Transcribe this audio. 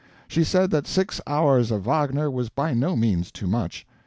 She said that six hours of Wagner was by no means too much.